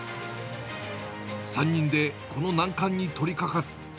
３人でこの難関に取りかかる。